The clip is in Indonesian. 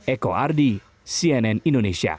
eko ardi cnn indonesia